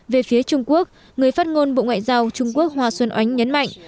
về phía trung quốc người phát ngôn bộ ngoại giao trung quốc hoa xuân oánh nhấn mạnh